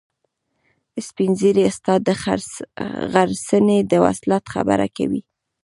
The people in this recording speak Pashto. سپین ږیری استاد د غرڅنۍ د وصلت خبره کوي.